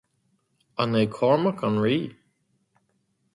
An é Cormac an rí?